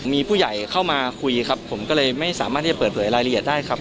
มีผู้ใหญ่เข้ามาคุยครับผมก็เลยไม่สามารถที่จะเปิดเผยรายละเอียดได้ครับ